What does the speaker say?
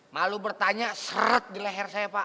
malu bertanya seret di leher saya pak